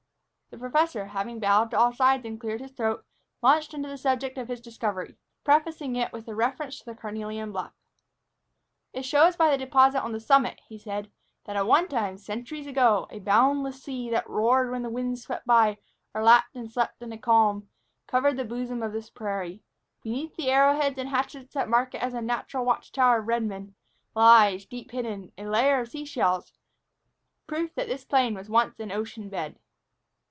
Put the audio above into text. The professor, having bowed to all sides and cleared his throat, launched into the subject of his discovery, prefacing it with a reference to the carnelian bluff. "It shows by the deposit on its summit," he said, "that at one time, centuries ago, a boundless sea, that roared when the winds swept by or lapped and slept in a calm, covered the bosom of this prairie. Beneath the arrowheads and hatchets that mark it as a natural watch tower of the redmen, lies, deep hidden, a layer of sea shells, proof that this plain was once an ocean bed."